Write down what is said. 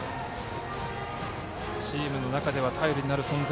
チームの中では頼りになる存在。